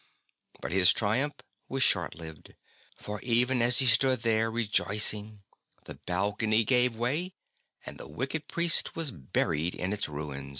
But his triumph was short lived, for, even as he stood there re joicing, the balcony gave way, and the wicked priest was buried in its ruins.